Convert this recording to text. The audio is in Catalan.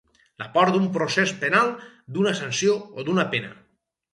La por d’un procés penal, d’una sanció o d’una pena.